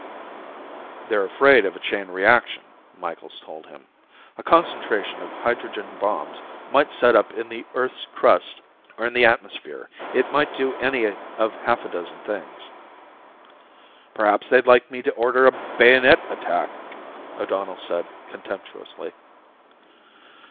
"They're afraid of a chain reaction," Micheals told him. "A concentration of hydrogen bombs might set one up in the Earth's crust or in the atmosphere. It might do any of half a dozen things." "Perhaps they'd like me to order a bayonet attack," O'Donnell said contemptuously.